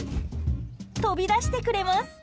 飛び出してくれます。